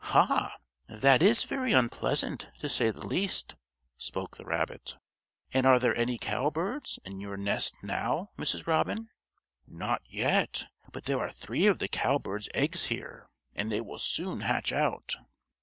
"Ha! That is very unpleasant, to say the least," spoke the rabbit. "And are there any cowbirds in your nest now, Mrs. Robin?" "Not yet, but there are three of the cowbird's eggs here, and they will soon hatch out."